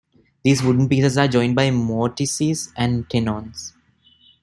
These wooden pieces are joined by mortices and tenons.